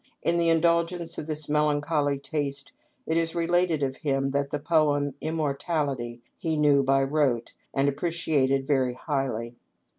In the indulgence of this melancholy taste it is related of him that the poem, 'Immortality,' he knew by rote and appreciated very highly.